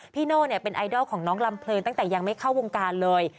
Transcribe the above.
โน่เป็นไอดอลของน้องลำเพลินตั้งแต่ยังไม่เข้าวงการเลย